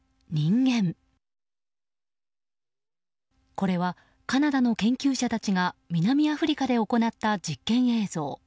これはカナダの研究者たちが南アフリカで行った実験映像。